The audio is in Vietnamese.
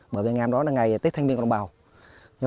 bởi vì ngày hôm đó là ngày tết thanh niên của đồng bào